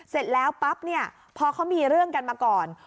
เสร็จแล้วปั๊บเนี่ยพอเขามีเรื่องกันมาก่อน